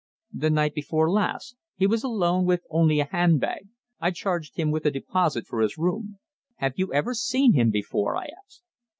"The night before last. He was alone with only a handbag. I charged him with a deposit for his room." "Have you ever seen him before?" I asked.